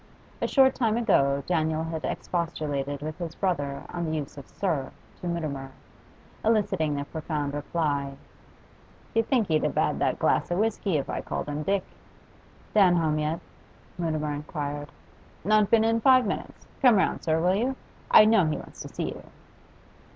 A short time ago Daniel had expostulated with his brother on the use of 'sir' to Mutimer, eliciting the profound reply, 'D'you think he'd have 'ad that glass of whisky if I'd called him Dick?' 'Dan home yet?' Mutimer inquired. 'Not been in five minutes. Come round, sir, will you? I know he wants to see you.